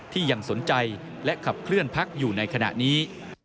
ที่ยังสนใจและขับเคลื่อนพักอยู่ในขณะนี้